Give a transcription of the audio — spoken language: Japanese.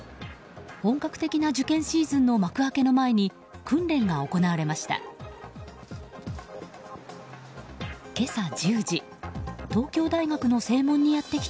本格的な受験シーズンの幕開けの前に訓練が行われました。